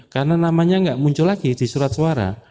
karena namanya enggak muncul lagi di surat suara